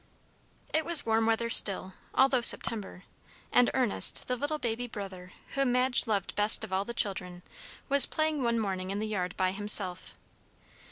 It was warm weather still, although September, and Ernest, the little baby brother, whom Madge loved best of all the children, was playing one morning in the yard by himself.